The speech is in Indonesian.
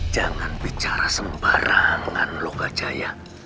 jangan bicara sembarangan loh gajah